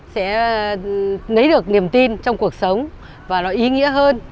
sẽ lấy được niềm tin trong cuộc sống và nó ý nghĩa hơn